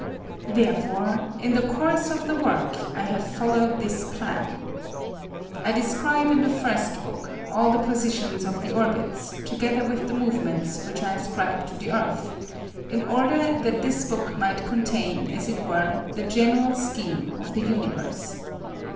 Therefore, in the course of the work I have followed this plan: I describe in the first book all the positions of the orbits together with the movements which I ascribe to the Earth, in order that this book might contain, as it were, the general scheme of the universe.